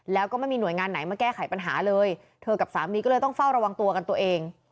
แล้วก็ไม่มีหน่วยงานไหนมาแก้ไขปัญหาเลยเธอกับสามีก็เลยต้องเฝ้าระวังตัวกันตัวเอง